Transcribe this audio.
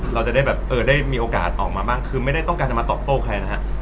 เราจะได้แบบเออได้มีโอกาสออกมาบ้างคือไม่ได้ต้องการจะมาตอบโต้ใครนะฮะ